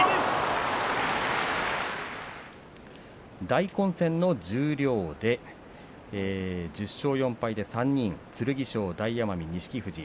大混戦の十両で１０勝４敗で３人剣翔、大奄美、錦富士。